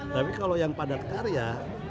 tapi kalau yang padat karya